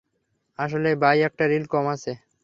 আসলে, বাই একটা রিল কম আছে।